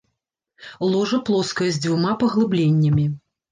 Ложа плоскае з дзвюма паглыбленнямі.